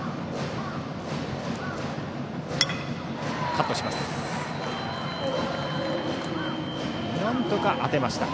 カットしました。